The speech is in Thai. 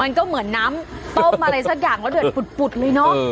มันก็เหมือนน้ำต้มอะไรสักอย่างแล้วเดือดปุดเลยเนอะ